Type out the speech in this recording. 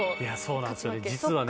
実はね